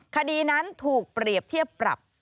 คดีนั้นถูกเปรียบเทียบปรับ